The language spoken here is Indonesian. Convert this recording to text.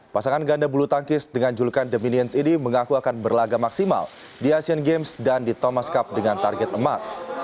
pasangan ganda bulu tangkis dengan julukan the minions ini mengaku akan berlaga maksimal di asian games dan di thomas cup dengan target emas